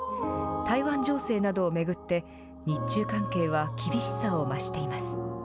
台湾情勢などを巡って、日中関係は厳しさを増しています。